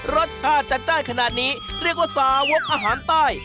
รสชาติจัดจ้านขนาดนี้เรียกว่าสาวกอาหารใต้